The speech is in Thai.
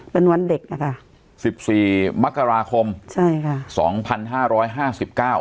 เป็นวันเด็กนะคะสิบสี่มกราคมใช่ค่ะสองพันห้าร้อยห้าสิบเก้า